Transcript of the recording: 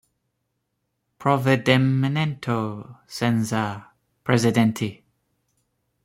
"Provvedimento senza precedenti".